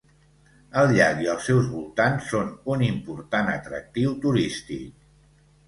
El llac i els seus voltants són un important atractiu turístic.